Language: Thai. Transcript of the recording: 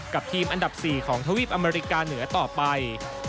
ทีมอันดับ๔ของทวีปอเมริกาเหนือต่อไป